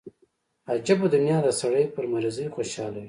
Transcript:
عجبه دنيا ده سړى پر مريضۍ خوشاله وي.